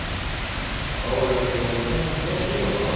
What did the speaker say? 青柳は沖縄に詳しいからなあ。